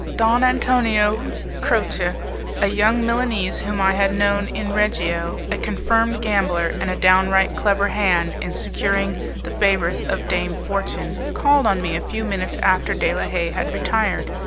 Don Antonio Croce, a young Milanese whom I had known in Reggio, a confirmed gambler, and a downright clever hand in securing the favours of Dame Fortune, called on me a few minutes after De la Haye had retired.